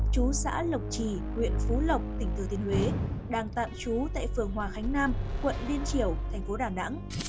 chú xã lộc trì huyện phú lộc tỉnh thừa tiên huế đang tạm chú tại phường hòa khánh nam quận biên triểu tp đà nẵng